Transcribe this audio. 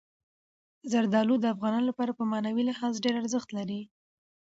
زردالو د افغانانو لپاره په معنوي لحاظ ډېر ارزښت لري.